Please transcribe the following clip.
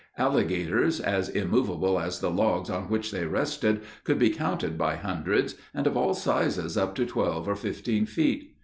Alligators, as immovable as the logs on which they rested, could be counted by hundreds, and of all sizes up to twelve or fifteen feet.